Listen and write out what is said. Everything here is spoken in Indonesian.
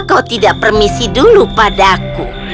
kau tidak permisi dulu padaku